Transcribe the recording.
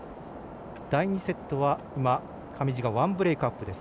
第２セットは上地が１ブレークアップ。